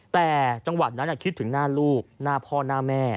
แต่จังหวะนั้นคิดถึงหน้าลูกหน้าพ่อหน้าแม่